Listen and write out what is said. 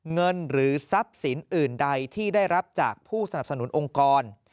เงินหรือทรัพย์สินอื่นใดที่ได้รับจากผู้สนับสนุนองค์กร